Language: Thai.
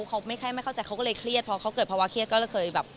เขาไม่ค่อยไม่เข้าใจเขาก็เลยเครียดเพราะเขาเกิดภาวะเครียดก็เลยเคยแบบ